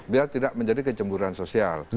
biar tidak menjadi kecemburan sosial